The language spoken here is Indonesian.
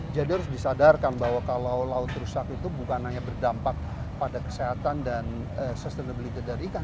harus disadarkan bahwa kalau laut rusak itu bukan hanya berdampak pada kesehatan dan sustainability dari ikan